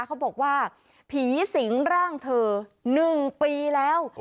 เขาบอกว่าผีสิงร่างเธอ๑ปีแล้ว